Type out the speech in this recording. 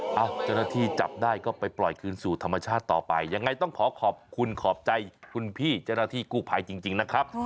เจ้าหน้าที่จับได้ก็ไปปล่อยคืนสู่ธรรมชาติต่อไปยังไงต้องขอขอบคุณขอบใจคุณพี่เจ้าหน้าที่กู้ภัยจริงนะครับ